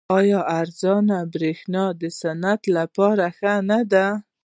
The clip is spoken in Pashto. آیا ارزانه بریښنا د صنعت لپاره ښه نه ده؟